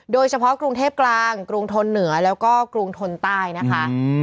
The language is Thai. โดยเฉพาะกรุงเทพกลางกรุงทนเหนือแล้วก็กรุงทนใต้นะคะ